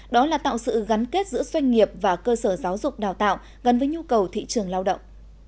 đó là tạo sự gắn kết giữa doanh nghiệp và cơ sở giáo dục đào tạo gần với nhu cầu thị trường lao động